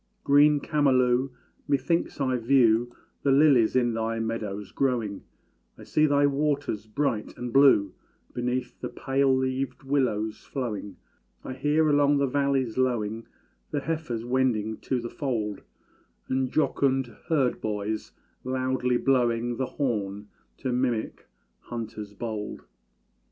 Green Camalú! methinks I view The lilies in thy meadows growing; I see thy waters bright and blue Beneath the pale leaved willows flowing; I hear along the valleys lowing, The heifers wending to the fold, And jocund herd boys loudly blowing The horn to mimic hunters bold.